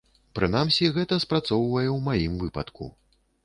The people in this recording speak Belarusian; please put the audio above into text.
Прынамсі, гэта спрацоўвае ў маім выпадку.